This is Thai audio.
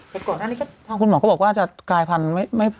พอคุณหมอก็บอกว่าจะกลายพันธุ์ไม่